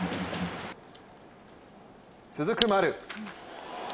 続く丸。